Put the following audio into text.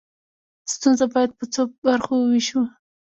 ستونزه باید په څو برخو وویشو.